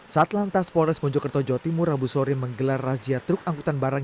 saat lantas polres mojokerto jawa timur rabu sore menggelar razia truk angkutan barang